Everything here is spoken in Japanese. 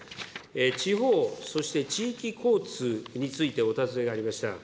地方そして地域交通についてお尋ねがありました。